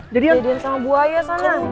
jadian sama bu aya sana